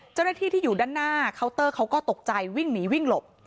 เจ้าหน้าที่ที่อยู่ด้านหน้าเคาน์เตอร์เขาก็ตกใจวิ่งหนีวิ่งหลบ